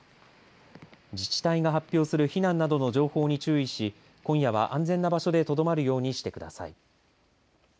自治体が発表する避難などの情報に注意し今夜は安全な場所でとどまるようにしてください。